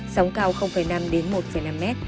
sóng cao năm một năm m